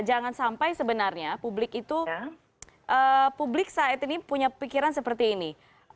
jangan sampai sebenarnya publik itu publik saat ini punya pikiran seperti ini